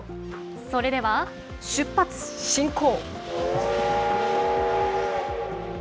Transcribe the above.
それでは、出発進行！